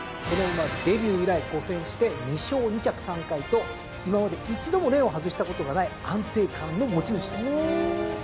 この馬デビュー以来５戦して２勝２着３回と今まで一度もレーンを外したことがない安定感の持ち主です。